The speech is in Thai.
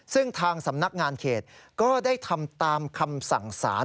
ซึ่งทางสำนักงานเขตก็ได้ทำตามคำสั่งสาร